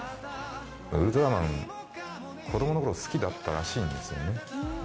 ウルトラマン、子どものころ、好きだったらしいんですよね。